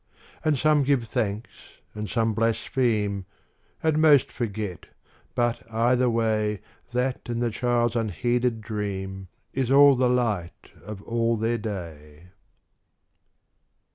And give some thanks, and some blaspheme, And most forget, but, either way, That and the child's unheeded dream Is all the light of all their day.